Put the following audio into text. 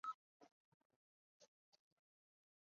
不过后来威灵顿公爵的雕像被移至奥尔德肖特。